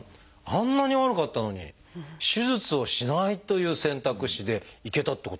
あんなに悪かったのに手術をしないという選択肢でいけたってことなんですか？